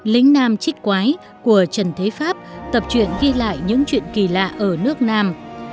lính nam chích quái của trần thế pháp tập truyện ghi lại những chuyện kỳ lạ ở nước nam